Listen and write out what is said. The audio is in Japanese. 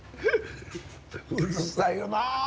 うるさいよなあ。